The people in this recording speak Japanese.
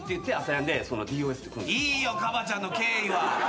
いいよＫＡＢＡ．ちゃんの経緯は。